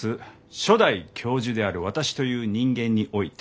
初代教授である私という人間において。